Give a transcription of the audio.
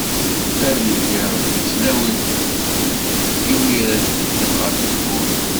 Ad yili Ṛebbi d tlawin, i mi ara d-bedden ɣef tewwurt.